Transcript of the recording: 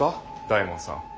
大門さん。